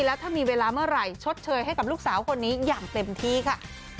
แล้วถ้ามีเวลาเมื่อไหร่ชดเชยให้กับลูกสาวคนนี้อย่างเต็มที่ค่ะ